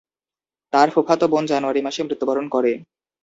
তার ফুফাতো বোন জানুয়ারি মাসে মৃত্যুবরণ করে।